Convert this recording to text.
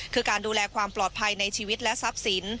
คือการดูแลความปลอดภัยในชีวิตและทรัพย์สิน